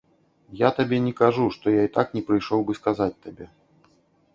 Я табе не кажу, што я і так не прыйшоў бы сказаць табе.